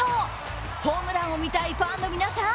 ホームランを見たいファンの皆さん